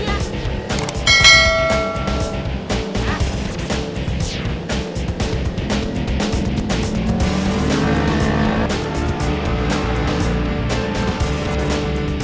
bu enggak bisa